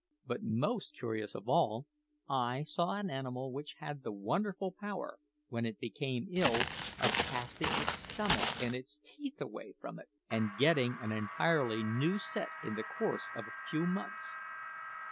But, most curious of all, I saw an animal which had the wonderful power, when it became ill, of casting its stomach and its teeth away from it, and getting an entirely new set in the course of a few months!